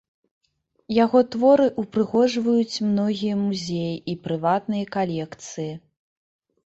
Яго творы ўпрыгожваюць многія музеі і прыватныя калекцыі.